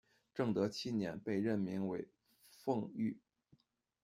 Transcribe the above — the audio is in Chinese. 正德七年，被任命为奉御。